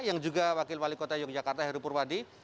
yang juga wakil wali kota yogyakarta heru purwadi